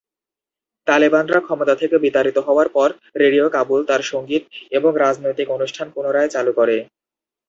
তালেবানরা ক্ষমতা থেকে বিতাড়িত হওয়ার পর রেডিও কাবুল তার সঙ্গীত এবং রাজনৈতিক অনুষ্ঠান পুনরায় চালু করে।